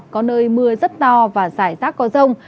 có nơi mưa rất to và giải rác có rông